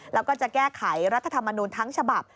แล้วก็จะแก้ไขรัฐธรรมนูลทั้งฉบับ